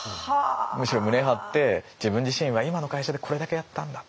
むしろ胸張って自分自身は今の会社でこれだけやったんだ。